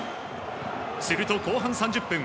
すると、後半３０分。